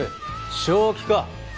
正気か？